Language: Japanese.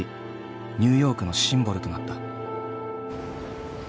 ニューヨークのシンボルとなった。